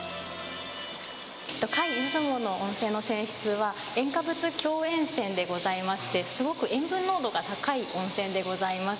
界出雲の温泉の泉質は塩化物強塩泉でございましてすごく塩分濃度が高い温泉でございます。